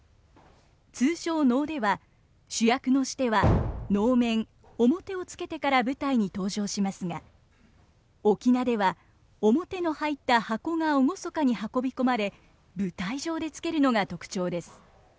通常能では主役のシテは能面面をつけてから舞台に登場しますが「翁」では面の入った箱が厳かに運び込まれ舞台上でつけるのが特徴です。